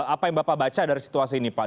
apa yang bapak baca dari situasi ini pak